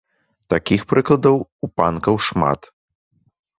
Такіх прыкладаў у панкаў шмат.